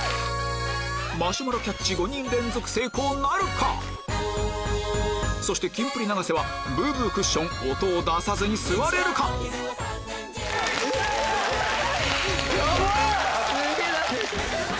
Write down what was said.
マシュマロキャッチ５人連続成功なるか⁉そしてキンプリ・永瀬はブーブークッション音を出さずに座れるか⁉えっ⁉ヤバい！